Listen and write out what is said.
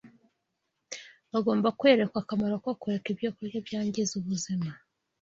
Bagomba kwerekwa akamaro ko kureka ibyokurya byangiza ubuzima